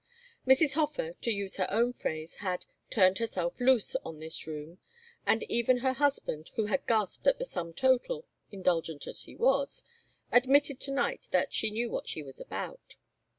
Mrs. Hofer, to use her own phrase, had "turned herself loose," on this room, and even her husband, who had gasped at the sum total, indulgent as he was, admitted to night that "she knew what she was about."